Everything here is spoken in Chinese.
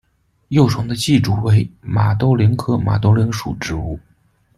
幼虫的寄主为马兜铃科马兜铃属植物。